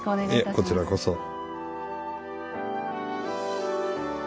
いえこちらこそ。